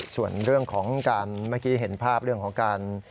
ส่วนเรื่องของการเมื่อกี้เห็นภาพเรื่องของการ